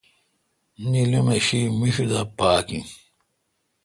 نیلومہشی میݭ دا پاک این